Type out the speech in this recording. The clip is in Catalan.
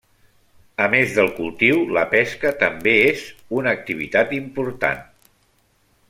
A més del cultiu, la pesca també és una activitat important.